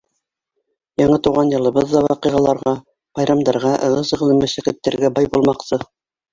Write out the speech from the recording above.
Яңы тыуған йылыбыҙ ҙа ваҡиғаларға, байрамдарға, ығы-зығылы мәшәҡәттәргә бай булмаҡсы.